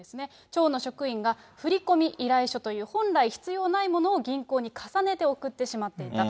町の職員が、振込依頼書という本来必要ないものを銀行に重ねて送ってしまっていた。